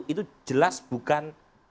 itu jelas bukan